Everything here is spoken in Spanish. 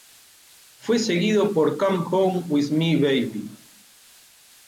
Fue seguido por "Come Home with Me Baby".